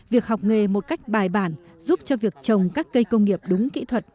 việc học nghề một cách bài bản giúp cho việc trồng các cây công nghiệp đúng kỹ thuật